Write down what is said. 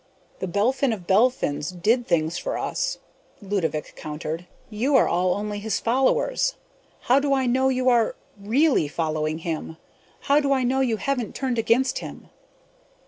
"The Belphin of Belphins did things for us," Ludovick countered. "You are all only his followers. How do I know you are really following him? How do I know you haven't turned against him?"